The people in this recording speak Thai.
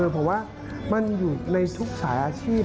ผมว่ามันอยู่ในทุกสายอาชีพ